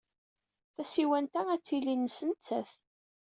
Tasiwant-a ad tili nnes nettat.